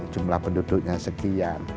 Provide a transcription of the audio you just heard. jumlah penduduknya sekian